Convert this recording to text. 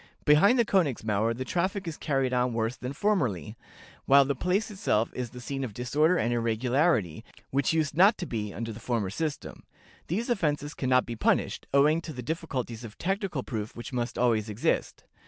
Behind the Königsmauer the traffic is carried on worse than formerly, while the place itself is the scene of disorder and irregularity, which used not to be under the former system. These offenses can not be punished, owing to the difficulties of technical proof which must always exist.